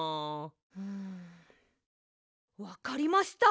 うんわかりました！